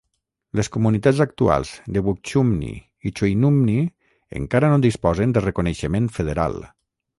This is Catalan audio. Les comunitats actuals de Wukchumni i Choinumni encara no disposen de reconeixement federal.